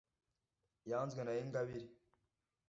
yanzwe na ingabire